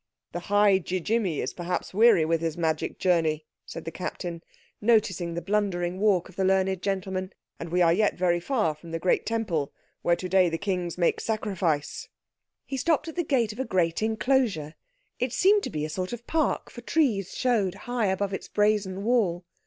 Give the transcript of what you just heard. "The High Ji jimmy is perhaps weary with his magic journey," said the Captain, noticing the blundering walk of the learned gentleman; "and we are yet very far from the Great Temple, where today the Kings make sacrifice." He stopped at the gate of a great enclosure. It seemed to be a sort of park, for trees showed high above its brazen wall.